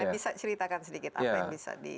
bisa ceritakan sedikit apa yang bisa di